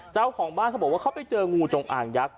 เจ้าของบ้านเขาบอกว่าเขาไปเจองูจงอ่างยักษ